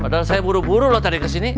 padahal saya buru buru loh tadi kesini